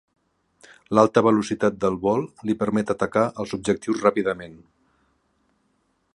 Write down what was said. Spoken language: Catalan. L'alta velocitat del vol li permet atacar els objectius ràpidament.